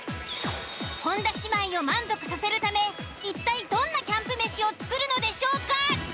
本田姉妹を満足させるため一体どんなキャンプ飯を作るのでしょうか。